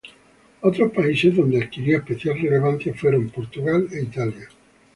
Otros países donde adquirió especial relevancia fueron Portugal e Italia.